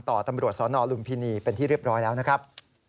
ตำรวจสนลุมพินีเป็นที่เรียบร้อยแล้วนะครับ